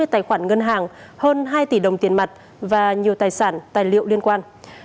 hai mươi tài khoản ngân hàng hơn hai tỷ đồng tiền mặt và nhiều tài sản tài liệu liên quan